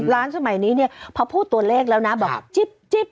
๕๐ล้านสมัยนี้พอพูดตัวเลขแล้วนะแบบจิ๊บ